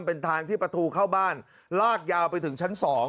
เป็นทางที่ประตูเข้าบ้านลากยาวไปถึงชั้น๒